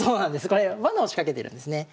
これわなを仕掛けてるんですね。